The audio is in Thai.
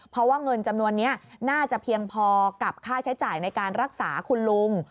เพราะว่าเงินจำนวนนี้น่าจะเพียงพอกับค่าใช้จ่ายในการรักษาคุณลุง